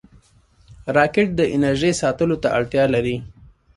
راکټ د انرژۍ ساتلو ته اړتیا لري